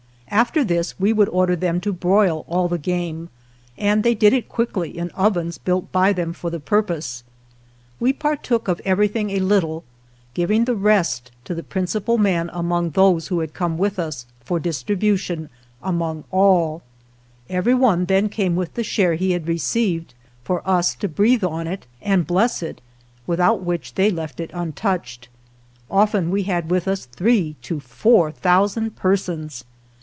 After this we would order them to broil all the game, and they did it quickly in ovens built by them for the purpose. We partook of everything a little, giving the rest to the principal man among those who had come with us for dis tribution among all. Every one then came with the share he had received for us to breathe on it and bless it, without which they "This recalls the ceremonial rabbit hunt of the Pueblo Indians of New Mexico. 143 THE JOURNEY OF left it untouched. Often we had with us three to four thousand persons.